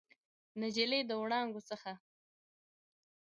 نجلۍ د وړانګو څخه